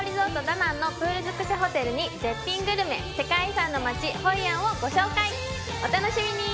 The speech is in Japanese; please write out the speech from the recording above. ダナンのプールづくしホテルに絶品グルメ世界遺産の町ホイアンをご紹介お楽しみに！